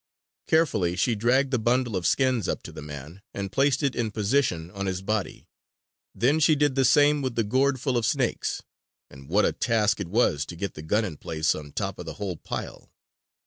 Carefully she dragged the bundle of skins up to the man and placed it in position on his body. Then she did the same with the gourd full of snakes. And what a task it was to get the gun in place on top of the whole pile!